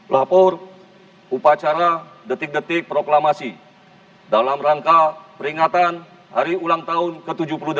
lapor upacara detik detik proklamasi dalam rangka peringatan hari ulang tahun ke tujuh puluh delapan